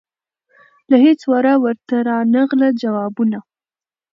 له هیڅ وره ورته رانغلل جوابونه